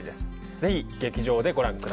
ぜひ劇場でご覧くだ